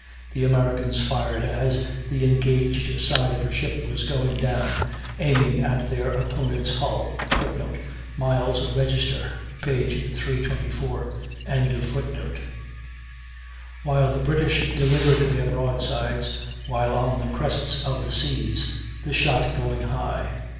The Americans fired as the engaged side of their ship was going down, aiming at their opponent's hull [Footnote: Miles' Register, in, p. 324.]; while the British delivered their broadsides while on the crests of the seas, the shot going high.